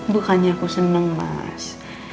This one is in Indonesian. bukannya aku seneng mas